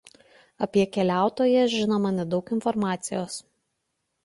Apie keliautoją žinoma nedaug informacijos.